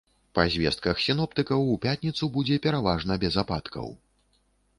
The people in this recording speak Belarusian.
Па звестках сіноптыкаў, у пятніцу будзе пераважна без ападкаў.